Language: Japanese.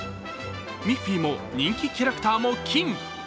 ミッフィーも人気キャラクターも金！